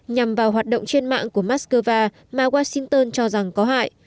nhằm vào hoạt động trên mạng của moscow mà washington cho rằng có hại